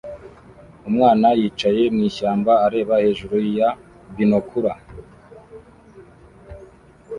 Umwana yicaye mwishyamba areba hejuru ya binokula